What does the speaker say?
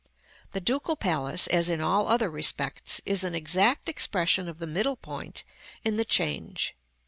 The Ducal Palace, as in all other respects, is an exact expression of the middle point in the change.